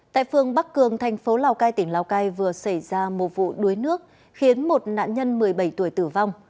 tại phương bắc cường thành phố lào cai tỉnh lào cai vừa xảy ra một vụ đuối nước khiến một nạn nhân một mươi bảy tuổi tử vong